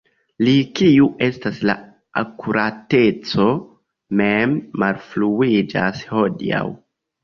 Li, kiu estas la akurateco mem, malfruiĝas hodiaŭ.